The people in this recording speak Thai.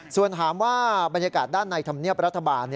ส่วนถามว่าบรรยากาศด้านในธรรมเนียบรัฐบาล